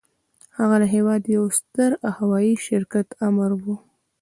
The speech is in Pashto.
هغه د هېواد د يوه ستر هوايي شرکت آمر و.